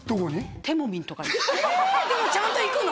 でもちゃんと行くの？